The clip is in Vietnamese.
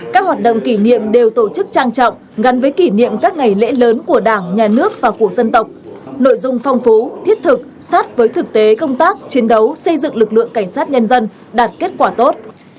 các hoạt động kỷ niệm đều tổ chức trang trọng gắn với kỷ niệm các ngày lễ lớn của đảng nhà nước và của dân tộc nội dung phong phú thiết thực sát với thực tế công tác chiến đấu xây dựng lực lượng cảnh sát nhân dân đạt kết quả tốt